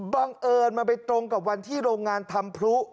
บังเอิญมันไปตรงกับวันที่โรงงานทำพลุ